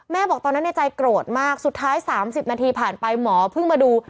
บอกตอนนั้นในใจโกรธมากสุดท้าย๓๐นาทีผ่านไปหมอเพิ่งมาดู